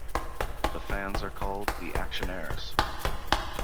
The fans are called the "Actionnaires".